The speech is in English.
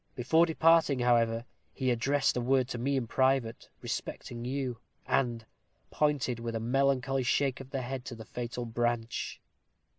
Before departing, however, he addressed a word to me in private, respecting you; and pointed, with a melancholy shake of the head, to the fatal branch.